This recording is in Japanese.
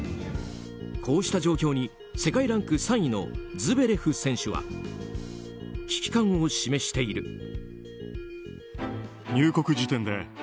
こうした状況に世界ランク３位のズベレフ選手は危機感を示している。